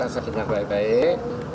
saya dengar baik baik